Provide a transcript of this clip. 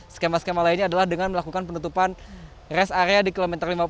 skema skema lainnya adalah dengan melakukan penutupan rest area di kilometer lima puluh